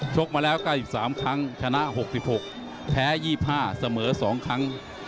กมาแล้ว๙๓ครั้งชนะ๖๖แพ้๒๕เสมอ๒ครั้ง